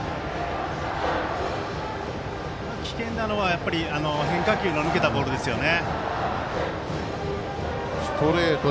危険なのは、やっぱり変化球の抜けたボールですよね。